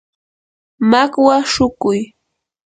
makwa shukuy.